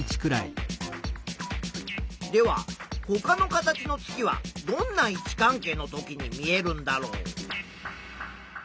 ではほかの形の月はどんな位置関係の時に見えるんだろう。